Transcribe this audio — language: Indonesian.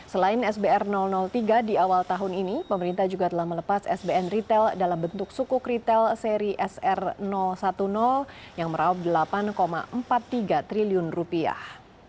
selain sbr tiga di awal tahun ini pemerintah juga telah melepas sbn retail dalam bentuk sukuk retail seri sr sepuluh yang meraup delapan empat puluh tiga triliun rupiah